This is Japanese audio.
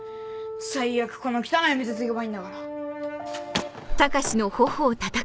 最悪この汚い店継げばいいんだから。